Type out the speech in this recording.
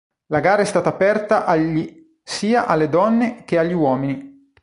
La gara è stata aperta agli sia alle donne che agli uomini.